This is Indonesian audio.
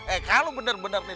eh kalau bener bener nih